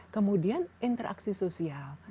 kemudian interaksi sosial